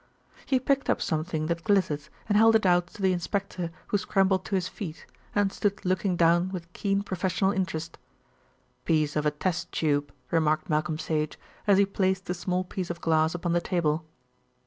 He picked up something that glittered and held it out to the inspector who scrambled to his feet, and stood looking down with keen professional interest. "Piece of a test tube," remarked Malcolm Sage, as he placed the small piece of glass upon the table.